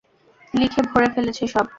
লিখে ভরে ফেলেছে সব।